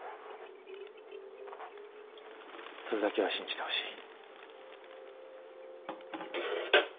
それだけは信じてほしい。